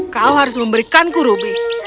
kau harus memberikanku rubih